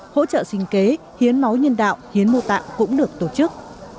hỗ trợ sinh kế hiến máu nhân đạo hiến mô tạng cũng được tổ chức